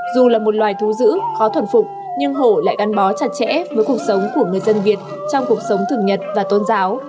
dù là một loài thú giữ khó thuần phục nhưng hổ lại gắn bó chặt chẽ với cuộc sống của người dân việt trong cuộc sống thường nhật và tôn giáo